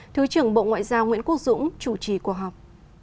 thứ trưởng bộ ngoại giao nguyễn quốc dũng chủ trì cuộc họp